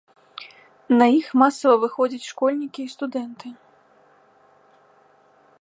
На іх масава выходзяць школьнікі і студэнты.